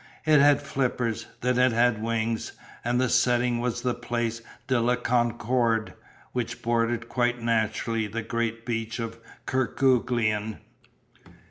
It had flippers, then it had wings, and the setting was the Place de la Concorde which bordered quite naturally the great beach of Kerguelen.